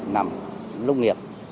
nằm lông nghiệp